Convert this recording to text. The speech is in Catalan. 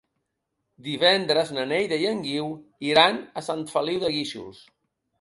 Divendres na Neida i en Guiu iran a Sant Feliu de Guíxols.